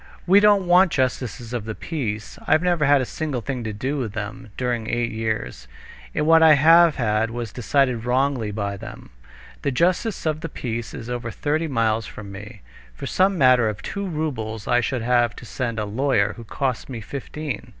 "We don't want justices of the peace. I've never had a single thing to do with them during eight years. And what I have had was decided wrongly by them. The justice of the peace is over thirty miles from me. For some matter of two roubles I should have to send a lawyer, who costs me fifteen."